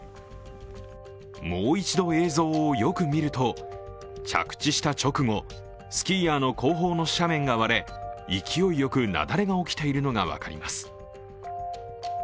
もう一度映像をよく見ると、着地した直後スキーヤーの後方の斜面が割れ、勢いよく雪崩が起きているのが分かります。